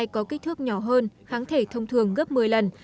có kích thước nhỏ hơn kháng thể thông thường gấp một mươi lần